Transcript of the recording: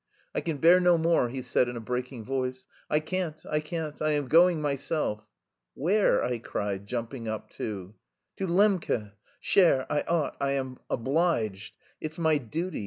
"I can bear no more," he said in a breaking voice. "I can't, I can't! I am going myself." "Where?" I cried, jumping up too. "To Lembke. Cher, I ought, I am obliged. It's my duty.